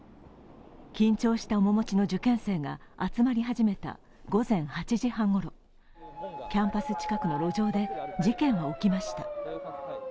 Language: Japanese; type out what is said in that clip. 緊張した面持ちの受験生が集まり始めた午前８時半ごろ、キャンパス近くの路上で事件は起きました。